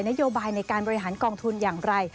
นโยบายในการบริหารกองทุนอย่างไร